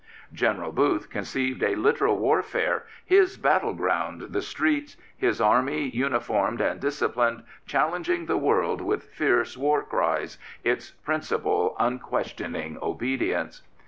General Booth conceived a literal warfare, his battle ground the streets, his Army uniformed and disciplined, challenging the world with fierce war cries, its principle unquestioning obedience.